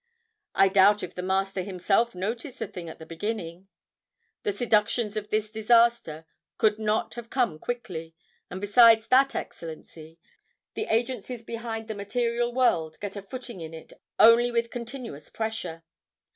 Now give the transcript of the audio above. I doubt if the Master himself noticed the thing at the beginning. The seductions of this disaster could not have come quickly; and besides that, Excellency, the agencies behind the material world get a footing in it only with continuous pressure.